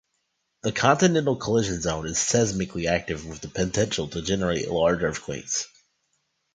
The continental collision zone is seismically active with the potential to generate large earthquakes.